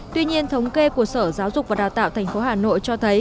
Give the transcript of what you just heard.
tuy nhiên thống kê của sở giáo dục và đào tạo thành phố hà nội cho thấy